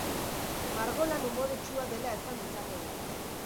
Margolan umoretsua dela esan dezakegu.